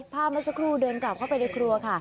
พามาสักครู่เดินกลับเข้าไปในครัว